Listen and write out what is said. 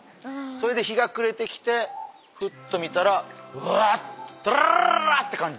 それで日が暮れてきてふっと見たらうわドラララって感じで光ってる。